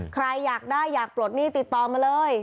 ใครอยากได้อยากปลดหนี้ติดต่อมาเลย